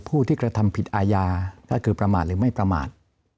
ผู้ที่กระทำผิดอาญาก็คือประมาทหรือไม่ประมาท